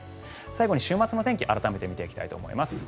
最後に週末の天気を改めて見ていきたいと思います。